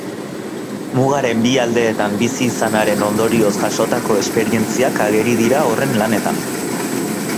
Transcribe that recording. Mugaren bi aldeetan bizi izanaren ondorioz jasotako esperientziak ageri dira horren lanetan.